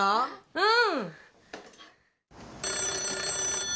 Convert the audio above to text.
うん！